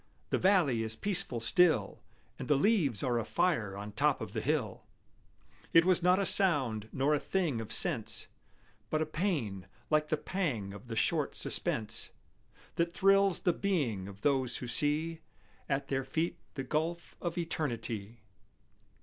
The valley is peaceful still, And the leaves are afire on top of the hill; It was not a sound, nor a thing of sense, But a pain, like the pang of the short suspense That thrills the being of those who see At their feet the gulf of Eternity.